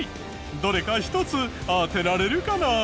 どれか１つ当てられるかな？